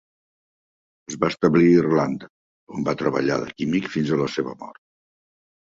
Es va establir a Irlanda, on va treballar de químic fins a la seva mort.